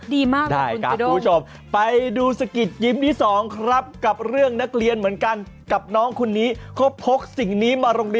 เจ๊เอาอะไรมาลูกอะไรเอาทำไมอ่ะไหนขอดูหน่อยดิไหนเปิดดูดิ